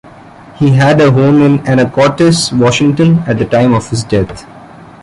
He had a home in Anacortes, Washington, at the time of his death.